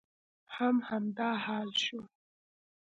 هم همدا حال شو.